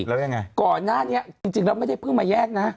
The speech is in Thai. แล้วยังไงก่อนหน้านี้จริงแล้วไม่ได้เพิ่งมาแยกนะ